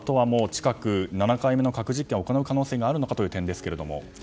近く７回目の核実験を行う可能性があるのかという点ですが。